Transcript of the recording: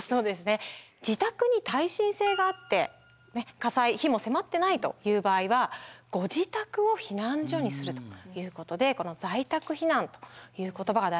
自宅に耐震性があって火災火も迫ってないという場合はご自宅を避難所にするということでこの「在宅避難」という言葉が大事になってきます。